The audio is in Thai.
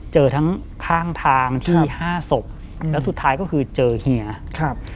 เจอทั้งข้างทางที่มีห้าศพแล้วสุดท้ายก็คือเจอเฮียครับ